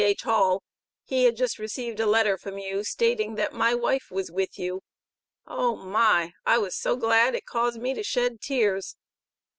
H. Hall, he had jus reseved a letter from you stating that my wife was with you, oh my I was so glad it case me to shed tears.